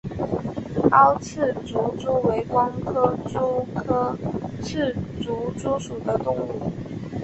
凹刺足蛛为光盔蛛科刺足蛛属的动物。